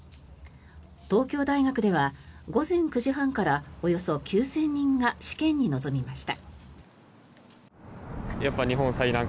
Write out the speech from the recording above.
東京大学では午前９時半からおよそ９０００人が試験に臨みました。